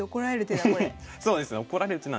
そうですね。